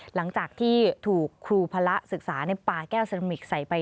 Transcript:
หลังจากที่ถูกครูพระศึกษาในป่าแก้วเซรามิกใส่ไป